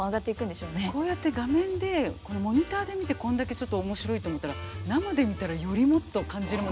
こうやって画面でモニターで見てこんだけ面白いと思ったら生で見たらよりもっと感じるものいっぱい。